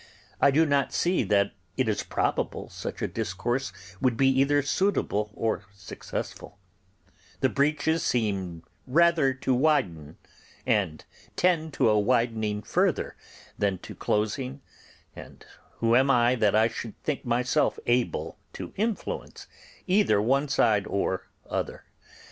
I do not see that it is probable such a discourse would be either suitable or successful; the breaches seem rather to widen, and tend to a widening further, than to closing, and who am I that I should think myself able to influence either one side or other?